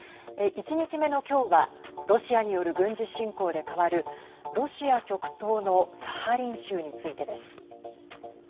１日目の今日はロシアによる軍事侵攻で変わるロシア極東のサハリン州についてです。